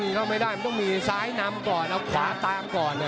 เข้าไม่ได้มันต้องมีซ้ายนำก่อนเอาขวาตามก่อน